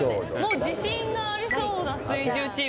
もう自信がありそうな水１０チームです。